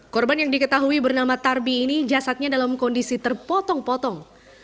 korban yang diketahui bernama tarbi ini jasadnya dalam kondisi terpotong potong